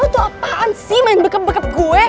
lo tuh apaan sih main bekap bekap gue